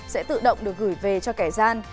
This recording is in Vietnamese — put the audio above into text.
sẽ tự động được gửi về cho kẻ gian